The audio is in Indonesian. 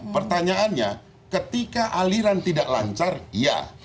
pertanyaannya ketika aliran tidak lancar ya